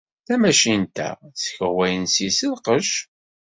Tamacint-a sskawayen syes lqecc.